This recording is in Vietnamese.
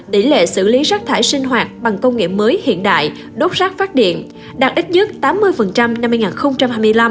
tỷ lệ xử lý rác thải sinh hoạt bằng công nghệ mới hiện đại đốt rác phát điện đạt ít nhất tám mươi năm hai nghìn hai mươi năm